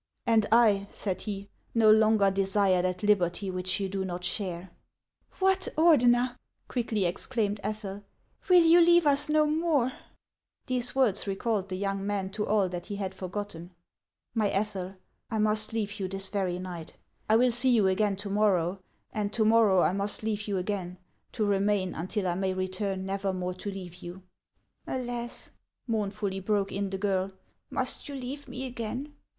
" And I," said he, " no longer desire that liberty which you do not share !"" What, Ordener !" quickly exclaimed Ethel, " will you leave us no more ?" These words recalled the young man to all that he had forgotten. ''Aly Ethel, I must leave you this very night. I will see you again to morrow, and to morrow I must leave you again, to remain until I may return never more to leave you." "Alas'" mournfully broke in the girl, "must you leave rne again